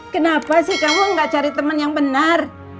kenapa sih kamu gak cari teman yang benar